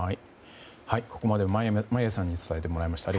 ここまで眞家さんに伝えてもらいました。